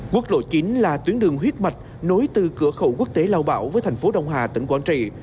quốc lộ chín là tuyến đường huyết mạch nối từ cửa khẩu quốc tế lao bảo với thành phố đông hà tỉnh quảng trị